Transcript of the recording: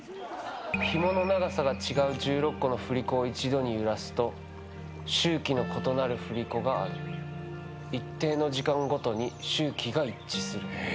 ひもの長さが違う１６個の振り子を一度に揺らすと周期の異なる振り子がある一定の時間ごとに周期が一致する。